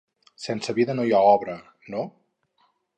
Sense vida no hi ha obra, no?